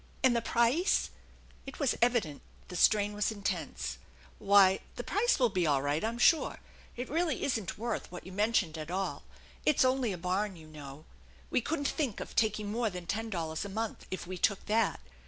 "And the price ?" It was evident the strain was intense. " Why, the price will be all right, I'm sure. It really isn't worth what you mentioned at all. It's only a barn, you know. We couldn't think of taking more than ten dollars a month, if we took that.